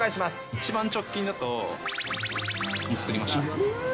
一番直近だと、×××作りました。